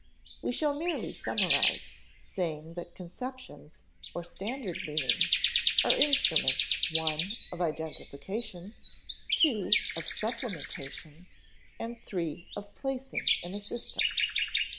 We shall merely summarize, saying that conceptions, or standard meanings, are instruments (i) of identification, (ii) of supplementation, and (iii) of placing in a system.